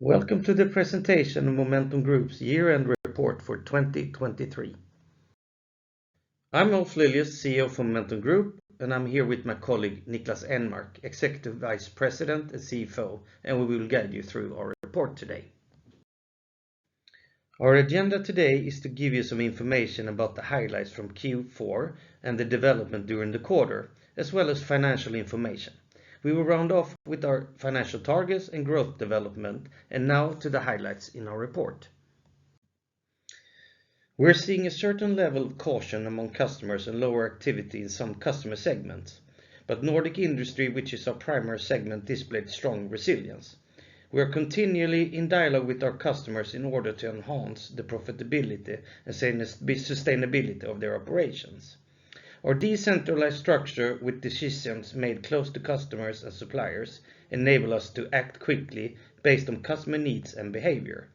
Welcome to the presentation of Momentum Group's year-end report for 2023. I'm Ulf Lilius, CEO of Momentum Group, and I'm here with my colleague Niklas Enmark, Executive Vice President and CFO, and we will guide you through our report today. Our agenda today is to give you some information about the highlights from Q4 and the development during the quarter, as well as financial information. We will round off with our financial targets and growth development, and now to the highlights in our report. We're seeing a certain level of caution among customers and lower activity in some customer segments, but Nordic industry, which is our primary segment, displayed strong resilience. We are continually in dialogue with our customers in order to enhance the profitability and sustainability of their operations. Our decentralized structure, with decisions made close to customers and suppliers, enabled us to act quickly based on customer needs and behavior.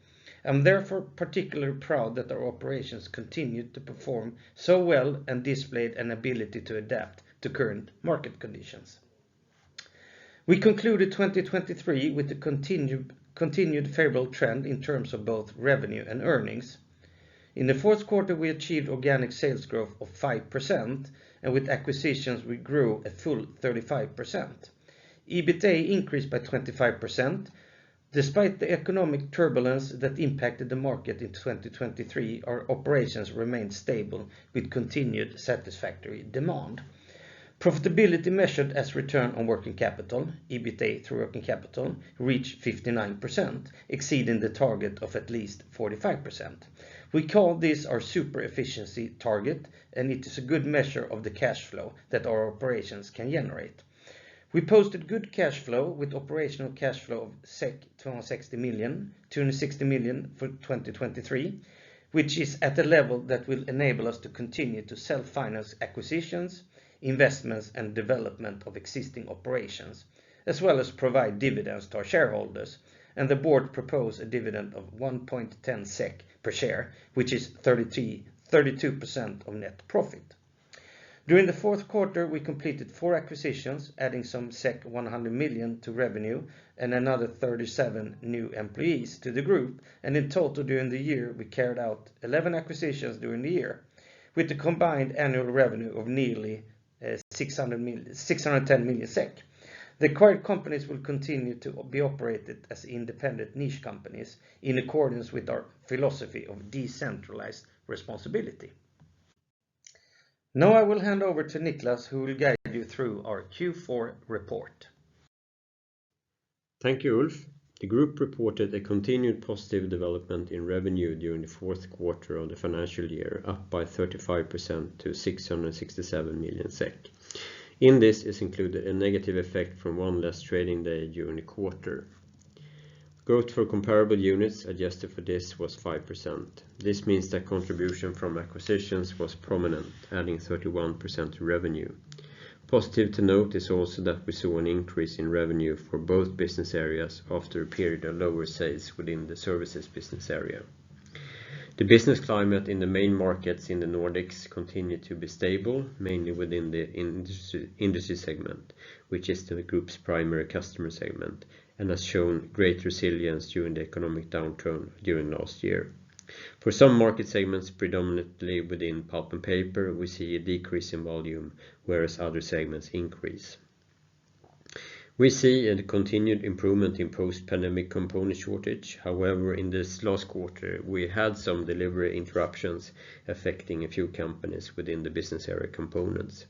I'm therefore particularly proud that our operations continued to perform so well and displayed an ability to adapt to current market conditions. We concluded 2023 with a continued favorable trend in terms of both revenue and earnings. In the fourth quarter, we achieved organic sales growth of 5%, and with acquisitions, we grew a full 35%. EBITDA increased by 25%. Despite the economic turbulence that impacted the market in 2023, our operations remained stable with continued satisfactory demand. Profitability measured as return on working capital (EBITDA through working capital) reached 59%, exceeding the target of at least 45%. We call this our super-efficiency target, and it is a good measure of the cash flow that our operations can generate. We posted good cash flow with operational cash flow of 260 million (260 million for 2023), which is at a level that will enable us to continue to self-finance acquisitions, investments, and development of existing operations, as well as provide dividends to our shareholders, and the board proposed a dividend of 1.10 SEK per share, which is 32% of net profit. During the fourth quarter, we completed four acquisitions, adding some 100 million to revenue and another 37 new employees to the group, and in total during the year, we carried out 11 acquisitions during the year, with a combined annual revenue of nearly 610 million SEK. The acquired companies will continue to be operated as independent niche companies in accordance with our philosophy of decentralized responsibility. Now I will hand over to Niklas, who will guide you through our Q4 report. Thank you, Ulf. The group reported a continued positive development in revenue during the fourth quarter of the financial year, up by 35% to 667 million SEK. In this is included a negative effect from one less trading day during the quarter. Growth for comparable units adjusted for this was 5%. This means that contribution from acquisitions was prominent, adding 31% to revenue. Positive to note is also that we saw an increase in revenue for both business areas after a period of lower sales within the Services business area. The business climate in the main markets in the Nordics continued to be stable, mainly within the industry segment, which is the group's primary customer segment, and has shown great resilience during the economic downturn during last year. For some market segments, predominantly within pulp and paper, we see a decrease in volume, whereas other segments increase. We see a continued improvement in post-pandemic component shortages. However, in this last quarter, we had some delivery interruptions affecting a few companies within the Business Area Components.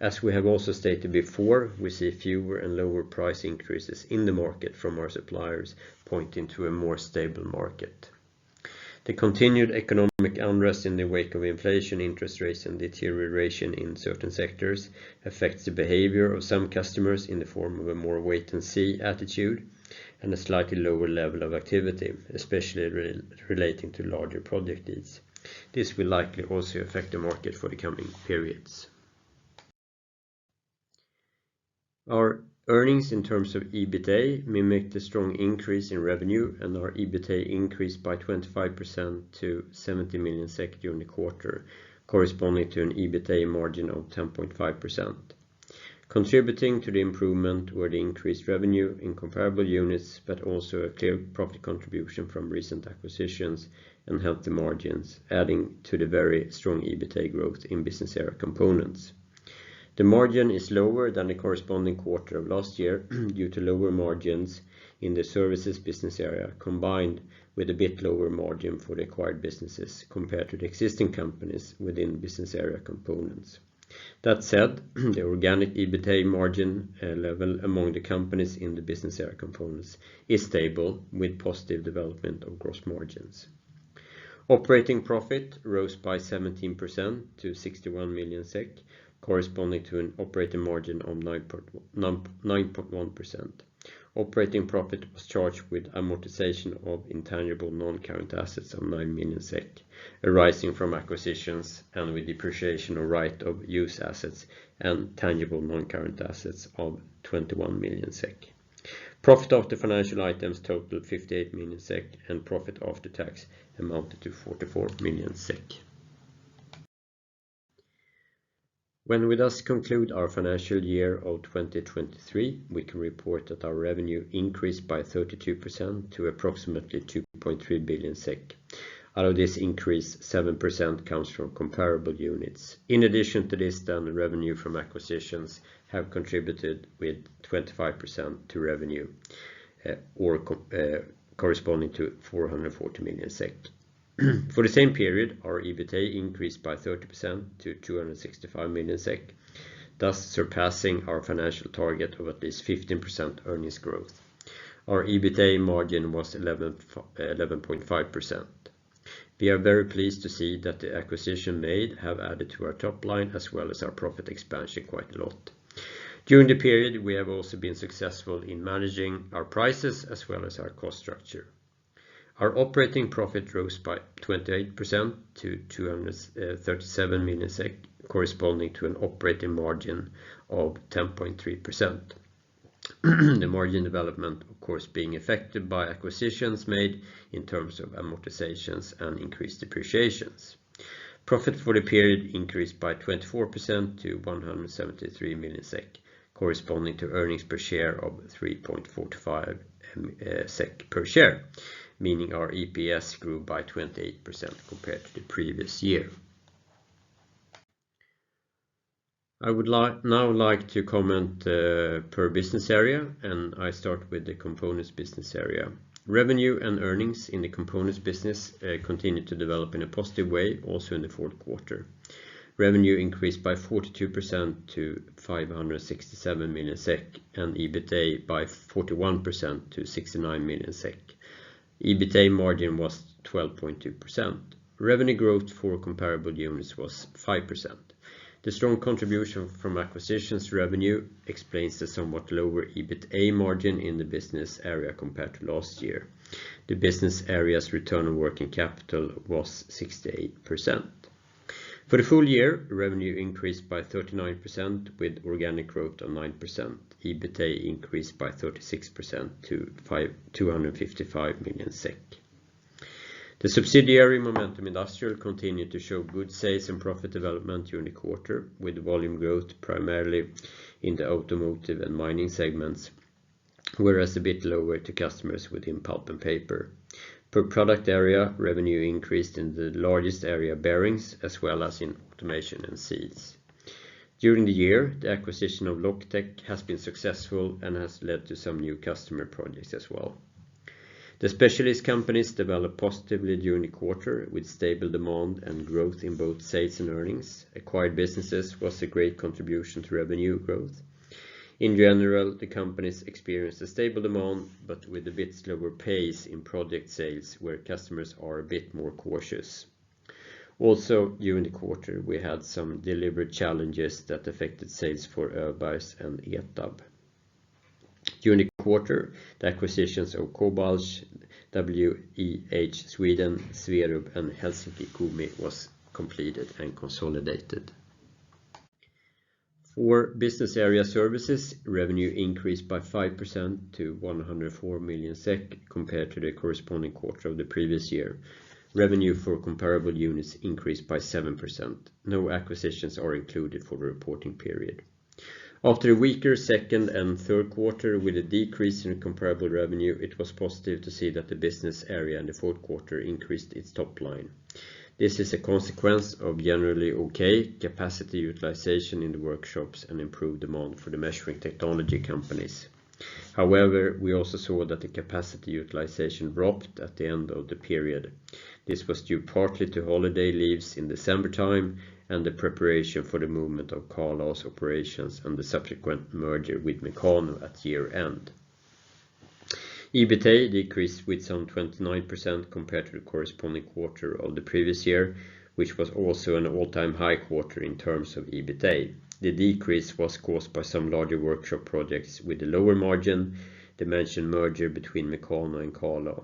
As we have also stated before, we see fewer and lower price increases in the market from our suppliers, pointing to a more stable market. The continued economic unrest in the wake of inflation, interest rates, and deterioration in certain sectors affects the behavior of some customers in the form of a more wait-and-see attitude and a slightly lower level of activity, especially relating to larger project needs. This will likely also affect the market for the coming periods. Our earnings in terms of EBITDA mimic the strong increase in revenue, and our EBITDA increased by 25% to 70 million SEK during the quarter, corresponding to an EBITDA margin of 10.5%, contributing to the improvement where the increased revenue in comparable units but also a clear profit contribution from recent acquisitions and healthy margins, adding to the very strong EBITDA growth in Business Area Components. The margin is lower than the corresponding quarter of last year due to lower margins in the Services business area, combined with a bit lower margin for the acquired businesses compared to the existing companies within Business Area Components. That said, the organic EBITDA margin level among the companies in the Business Area Components is stable, with positive development of gross margins. Operating profit rose by 17% to 61 million SEK, corresponding to an operating margin of 9.1%. Operating profit was charged with amortization of intangible non-current assets of 9 million SEK, arising from acquisitions and with depreciation of right-of-use assets and tangible non-current assets of 21 million SEK. Profit after financial items totaled 58 million SEK, and profit after tax amounted to 44 million SEK. When we thus conclude our financial year of 2023, we can report that our revenue increased by 32% to approximately 2.3 billion SEK. Out of this increase, 7% comes from comparable units. In addition to this, then revenue from acquisitions has contributed with 25% to revenue, corresponding to 440 million SEK. For the same period, our EBITDA increased by 30% to 265 million SEK, thus surpassing our financial target of at least 15% earnings growth. Our EBITDA margin was 11.5%. We are very pleased to see that the acquisitions made have added to our top line as well as our profit expansion quite a lot. During the period, we have also been successful in managing our prices as well as our cost structure. Our operating profit rose by 28% to 237 million SEK, corresponding to an operating margin of 10.3%, the margin development, of course, being affected by acquisitions made in terms of amortizations and increased depreciations. Profit for the period increased by 24% to 173 million SEK, corresponding to earnings per share of 3.45 SEK per share, meaning our EPS grew by 28% compared to the previous year. I would now like to comment per business area, and I start with the Components business area. Revenue and earnings in the Components business continued to develop in a positive way also in the fourth quarter. Revenue increased by 42% to 567 million SEK and EBITDA by 41% to 69 million SEK. EBITDA margin was 12.2%. Revenue growth for comparable units was 5%. The strong contribution from acquisitions revenue explains the somewhat lower EBITDA margin in the business area compared to last year. The business area's return on working capital was 68%. For the full year, revenue increased by 39% with organic growth of 9%. EBITDA increased by 36% to 255 million SEK. The subsidiary Momentum Industrial continued to show good sales and profit development during the quarter, with volume growth primarily in the automotive and mining segments, whereas a bit lower to customers within pulp and paper. Per product area, revenue increased in the largest area, bearings, as well as in automation and seals. During the year, the acquisition of LocTech has been successful and has led to some new customer projects as well. The specialist companies developed positively during the quarter with stable demand and growth in both sales and earnings. Acquired businesses was a great contribution to revenue growth. In general, the companies experienced a stable demand but with a bit lower pace in project sales where customers are a bit more cautious. Also, during the quarter, we had some delivery challenges that affected sales for Öbergs and ETAB. During the quarter, the acquisitions of Cobalch, WEH Sweden, Swerub, and Helsingin Kumi were completed and consolidated. For Business Area Services, revenue increased by 5% to 104 million SEK compared to the corresponding quarter of the previous year. Revenue for comparable units increased by 7%. No acquisitions are included for the reporting period. After a weaker second and third quarter with a decrease in comparable revenue, it was positive to see that the business area in the fourth quarter increased its top line. This is a consequence of generally okay capacity utilization in the workshops and improved demand for the measuring technology companies. However, we also saw that the capacity utilization dropped at the end of the period. This was due partly to holiday leaves in December time and the preparation for the movement of Carl A's operations and the subsequent merger with Mekano at year-end. EBITDA decreased with some 29% compared to the corresponding quarter of the previous year, which was also an all-time high quarter in terms of EBITDA. The decrease was caused by some larger workshop projects with a lower margin, the mentioned merger between Mekano and Carl A.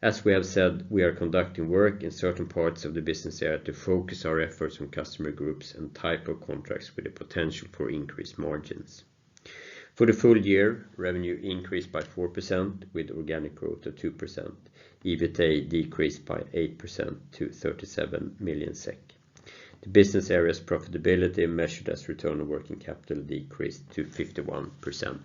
As we have said, we are conducting work in certain parts of the business area to focus our efforts on customer groups and type of contracts with a potential for increased margins. For the full year, revenue increased by 4% with organic growth of 2%. EBITDA decreased by 8% to 37 million SEK. The business area's profitability measured as return on working capital decreased to 51%.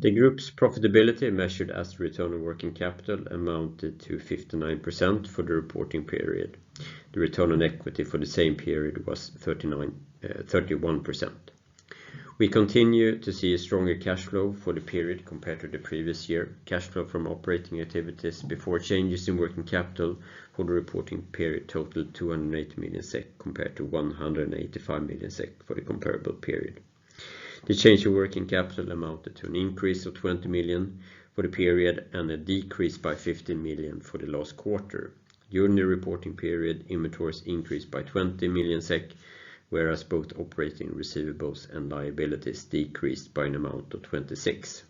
The group's profitability measured as return on working capital amounted to 59% for the reporting period. The return on equity for the same period was 31%. We continue to see a stronger cash flow for the period compared to the previous year. Cash flow from operating activities before changes in working capital for the reporting period totaled 280 million SEK compared to 185 million SEK for the comparable period. The change in working capital amounted to an increase of 20 million for the period and a decrease by 15 million for the last quarter. During the reporting period, inventories increased by 20 million SEK, whereas both operating receivables and liabilities decreased by an amount of 26 million.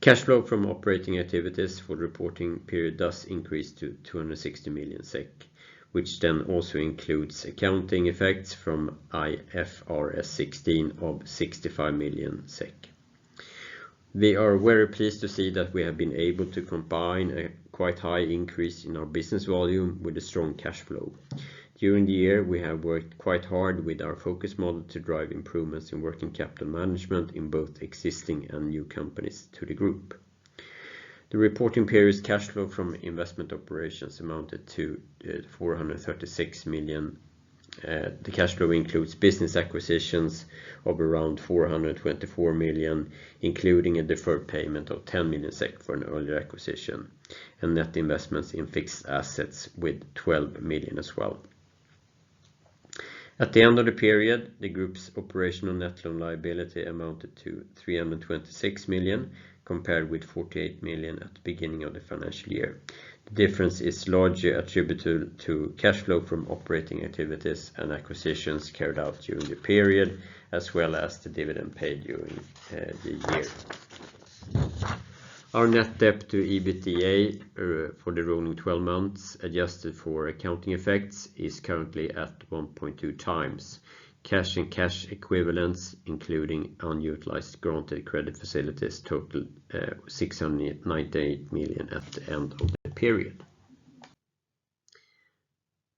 Cash flow from operating activities for the reporting period thus increased to 260 million SEK, which then also includes accounting effects from IFRS 16 of 65 million SEK. We are very pleased to see that we have been able to combine a quite high increase in our business volume with a strong cash flow. During the year, we have worked quite hard with our focus model to drive improvements in working capital management in both existing and new companies to the group. The reporting period's cash flow from investment operations amounted to 436 million. The cash flow includes business acquisitions of around 424 million, including a deferred payment of 10 million SEK for an earlier acquisition, and net investments in fixed assets with 12 million as well. At the end of the period, the group's operational net loan liability amounted to 326 million compared with 48 million at the beginning of the financial year. The difference is largely attributable to cash flow from operating activities and acquisitions carried out during the period, as well as the dividend paid during the year. Our net debt to EBITDA for the rolling 12 months adjusted for accounting effects is currently at 1.2x. Cash and cash equivalents, including unutilized granted credit facilities, total 698 million at the end of the period.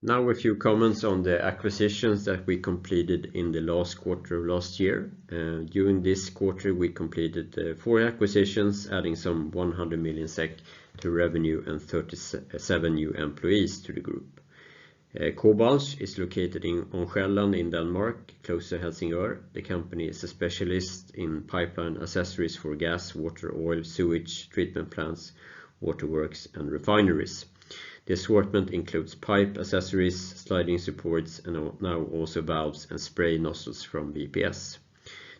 Now a few comments on the acquisitions that we completed in the last quarter of last year. During this quarter, we completed four acquisitions, adding some 100 million SEK to revenue and 37 new employees to the group. Cobalch is located in Sjælland in Denmark, closer to Helsingør. The company is a specialist in pipeline accessories for gas, water, oil, sewage, treatment plants, waterworks, and refineries. The assortment includes pipe accessories, sliding supports, and now also valves and spray nozzles from BPS.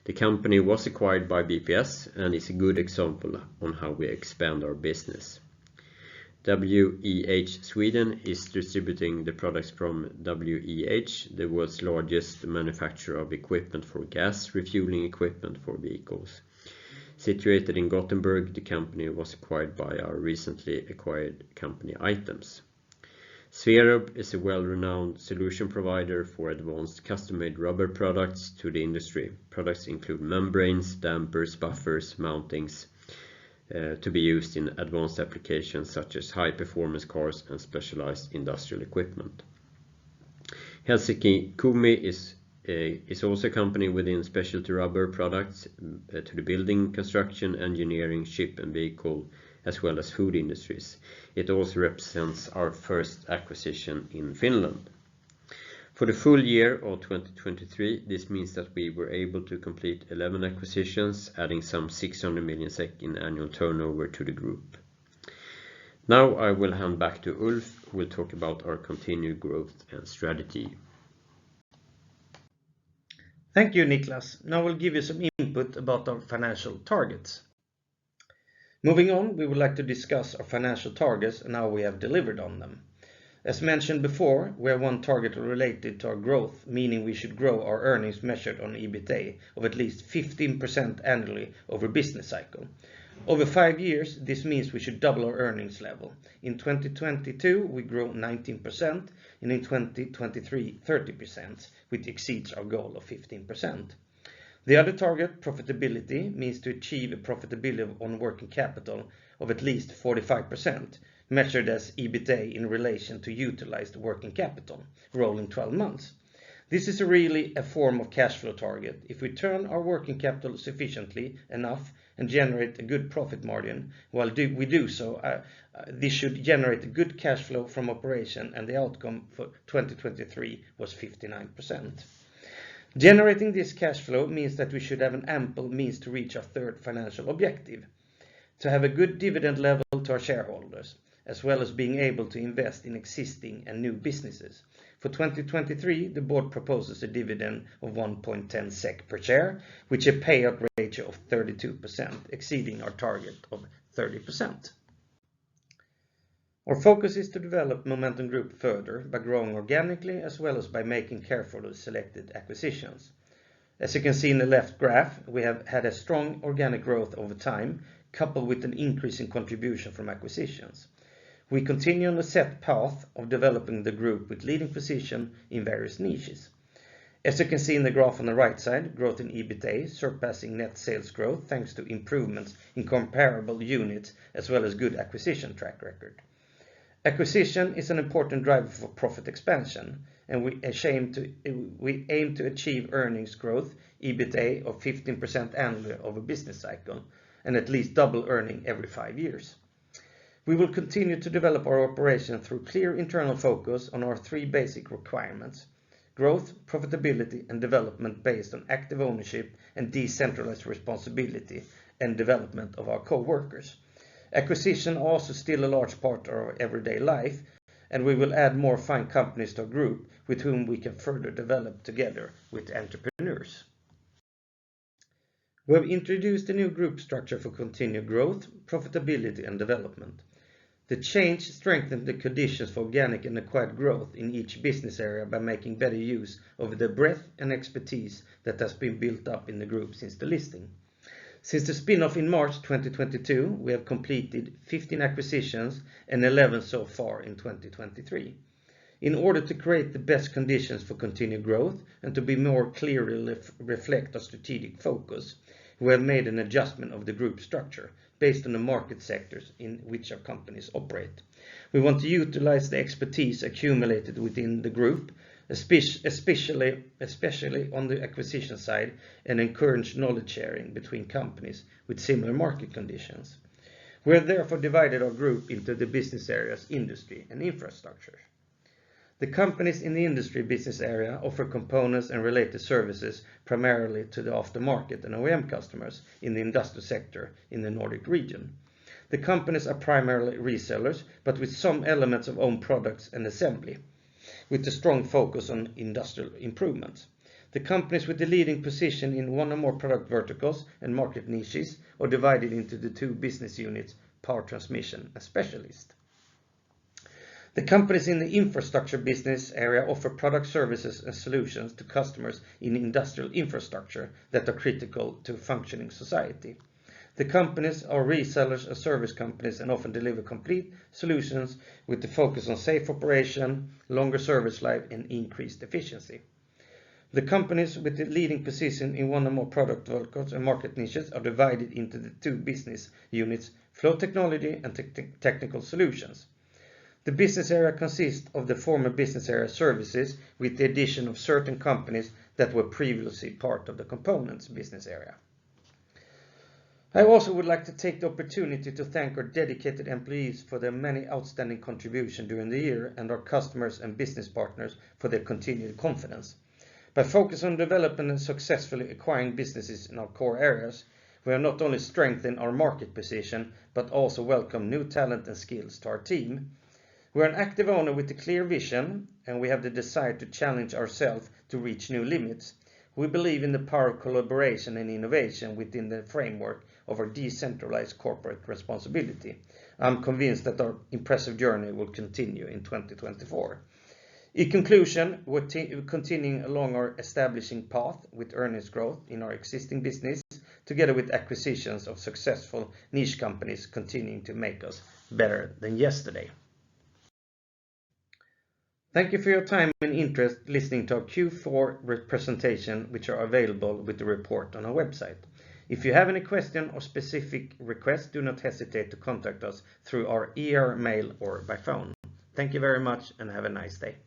The company was acquired by BPS and is a good example on how we expand our business. WEH Sweden is distributing the products from WEH, the world's largest manufacturer of equipment for gas, refueling equipment for vehicles. Situated in Gothenburg, the company was acquired by our recently acquired company iTEMS. Swerub is a well-renowned solution provider for advanced custom-made rubber products to the industry. Products include membranes, dampers, buffers, mountings to be used in advanced applications such as high-performance cars and specialized industrial equipment. Helsingin Kumi is also a company within specialty rubber products to the building, construction, engineering, ship and vehicle, as well as food industries. It also represents our first acquisition in Finland. For the full year of 2023, this means that we were able to complete 11 acquisitions, adding some 600 million SEK in annual turnover to the group. Now I will hand back to Ulf. We'll talk about our continued growth and strategy. Thank you, Niklas. Now I'll give you some input about our financial targets. Moving on, we would like to discuss our financial targets and how we have delivered on them. As mentioned before, we have one target related to our growth, meaning we should grow our earnings measured on EBITDA of at least 15% annually over business cycle. Over five years, this means we should double our earnings level. In 2022, we grew 19%, and in 2023, 30%, which exceeds our goal of 15%. The other target, profitability, means to achieve a profitability on working capital of at least 45% measured as EBITDA in relation to utilized working capital rolling 12 months. This is really a form of cash flow target. If we turn our working capital sufficiently enough and generate a good profit margin while we do so, this should generate a good cash flow from operation, and the outcome for 2023 was 59%. Generating this cash flow means that we should have an ample means to reach our third financial objective, to have a good dividend level to our shareholders, as well as being able to invest in existing and new businesses. For 2023, the board proposes a dividend of 1.10 SEK per share, which is a payout ratio of 32%, exceeding our target of 30%. Our focus is to develop Momentum Group further by growing organically as well as by making carefully selected acquisitions. As you can see in the left graph, we have had a strong organic growth over time, coupled with an increasing contribution from acquisitions. We continue on a set path of developing the group with leading position in various niches. As you can see in the graph on the right side, growth in EBITDA surpassing net sales growth thanks to improvements in comparable units as well as good acquisition track record. Acquisition is an important driver for profit expansion, and we aim to achieve earnings growth, EBITDA of 15% annually over business cycle, and at least double earning every five years. We will continue to develop our operation through clear internal focus on our three basic requirements: growth, profitability, and development based on active ownership and decentralized responsibility and development of our coworkers. Acquisition also steals a large part of our everyday life, and we will add more fine companies to our group with whom we can further develop together with entrepreneurs. We have introduced a new group structure for continued growth, profitability, and development. The change strengthened the conditions for organic and acquired growth in each business area by making better use of the breadth and expertise that has been built up in the group since the listing. Since the spin-off in March 2022, we have completed 15 acquisitions, and 11 so far in 2023. In order to create the best conditions for continued growth and to more clearly reflect our strategic focus, we have made an adjustment of the group structure based on the market sectors in which our companies operate. We want to utilize the expertise accumulated within the group, especially on the acquisition side, and encourage knowledge sharing between companies with similar market conditions. We have therefore divided our group into the business areas Industry and Infrastructure. The companies in the Industry business area offer components and related services primarily to the aftermarket and OEM customers in the industrial sector in the Nordic region. The companies are primarily resellers but with some elements of own products and assembly, with a strong focus on industrial improvements. The companies with the leading position in one or more product verticals and market niches are divided into the two business units, Power Transmission and Specialist. The companies in the Infrastructure business area offer products, services, and solutions to customers in industrial infrastructure that are critical to functioning society. The companies are resellers and service companies and often deliver complete solutions with a focus on safe operation, longer service life, and increased efficiency. The companies with the leading position in one or more product verticals and market niches are divided into the two business units, Flow Technology and Technical Solutions. The business area consists of the former Business Area Services with the addition of certain companies that were previously part of the Components business area. I also would like to take the opportunity to thank our dedicated employees for their many outstanding contributions during the year and our customers and business partners for their continued confidence. By focusing on developing and successfully acquiring businesses in our core areas, we have not only strengthened our market position but also welcomed new talent and skills to our team. We are an active owner with a clear vision, and we have the desire to challenge ourselves to reach new limits. We believe in the power of collaboration and innovation within the framework of our decentralized corporate responsibility. I'm convinced that our impressive journey will continue in 2024. In conclusion, we're continuing along our establishing path with earnings growth in our existing business together with acquisitions of successful niche companies continuing to make us better than yesterday. Thank you for your time and interest listening to our Q4 presentation, which is available with the report on our website. If you have any question or specific request, do not hesitate to contact us through our email or by phone. Thank you very much, and have a nice day.